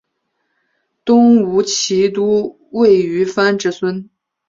东吴骑都尉虞翻之孙。